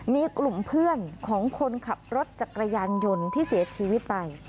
มีกลุ่มเพื่อนของคนขับรถจักรยานยนต์ที่เสียชีวิตไป